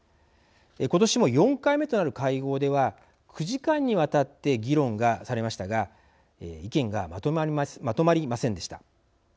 今年も４回目となる会合では９時間にわたって議論がされましたが意見がまとまりませんでした。